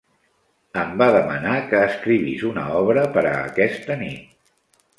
Em va demanar que escrivís una obra per a aquesta nit.